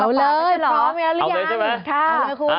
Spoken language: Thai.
เอาเลยพร้อมแล้วหรือยัง